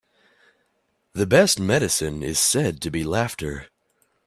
The best medicine is said to be laughter.